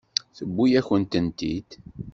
Tewwi-yakent-tent-id.